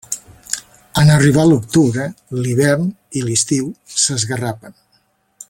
En arribar l'octubre, l'hivern i l'estiu s'esgarrapen.